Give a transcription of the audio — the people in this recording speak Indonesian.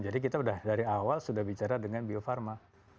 jadi kita sudah dari awal sudah bicara dengan bio farma